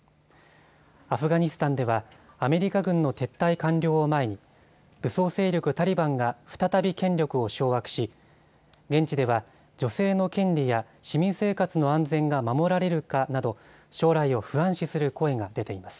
アフガニスタンではアメリカ軍の撤退完了を前に武装勢力タリバンが再び権力を掌握し現地では女性の権利や市民生活の安全が守られるかなど将来を不安視する声が出ています。